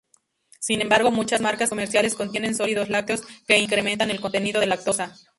Sin embargo, muchas marcas comerciales contienen sólidos lácteos, que incrementan el contenido de lactosa.